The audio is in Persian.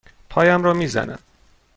پایم را می زند.